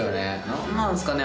何なんすかね？